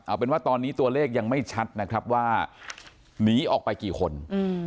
เอาเป็นว่าตอนนี้ตัวเลขยังไม่ชัดนะครับว่าหนีออกไปกี่คนอืม